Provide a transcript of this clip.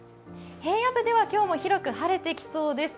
平野部では今日も広く晴れてきそうです。